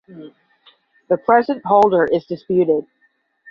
The present holder is disputed.